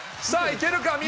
さあ、いけるか？